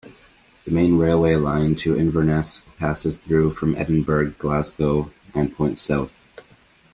The main railway line to Inverness passes through from Edinburgh, Glasgow and points south.